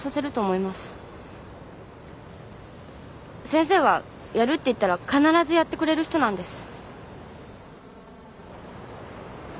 先生はやるって言ったら必ずやってくれる人なんです。